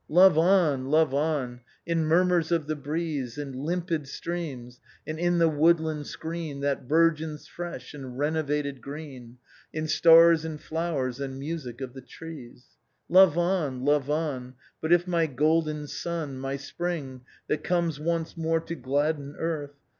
"'Love on, love on I in murmurs of the breeze. In limpid streams, and in the woodland screen That burgeons fresh in renovated green. In stars, in tlowers, and music of the trees. "'Love on, love on ! but if my golden sun. My spring, that comes once more to gladden earth.